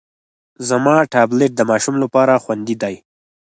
زما ټابلیټ د ماشوم لپاره خوندي دی.